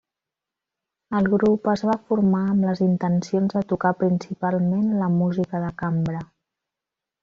El grup es va formar amb les intencions de tocar principalment la música de cambra.